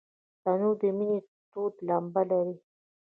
تنور د مینې تود لمبه لري